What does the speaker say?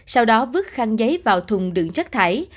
sau đó vứt khăn giấy vào thùng đựng chất thải